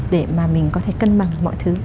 để mà mình có thể cân bằng mọi thứ